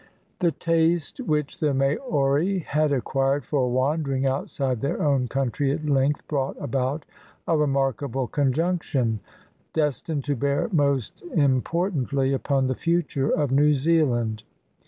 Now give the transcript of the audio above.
] The taste which the Maori had acquired for wandering outside their own country at length brought about a remarkable conjunction, destined to bear most impor tantly upon the future of New Zealand.